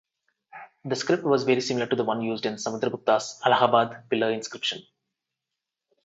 The script was very similar to the one used in Samudragupta's Allahabad Pillar inscription.